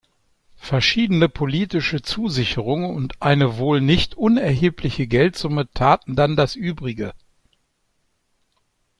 Verschiedene politische Zusicherungen und eine wohl nicht unerhebliche Geldsumme taten dann das Übrige.